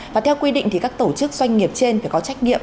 và theo quy định thì các tổ chức doanh nghiệp trên phải có trách nhiệm